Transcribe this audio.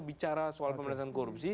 bicara soal pemerintahan korupsi